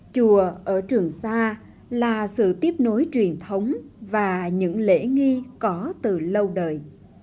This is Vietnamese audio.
chùa ở trường sa là sự tiếp nối truyền thống và những lễ nghi có từ lâu đời